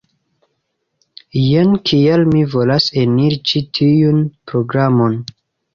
Jen kial mi volas eniri ĉi tiun programon